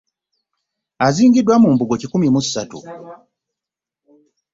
Aziingiddwa mu mbugo kikumi mu asatu